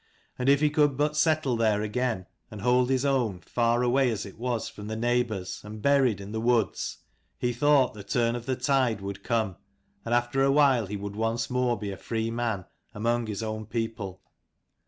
And if he could but settle there again and hold his own, far away as it was from the neighbours and buried in the woods, he thought the turn of the tide would come, and after a while he would be once more a free man among his own people.